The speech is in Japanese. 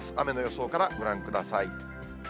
雨の予想からご覧ください。